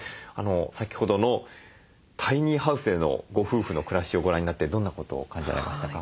先ほどのタイニーハウスでのご夫婦の暮らしをご覧になってどんなことを感じられましたか？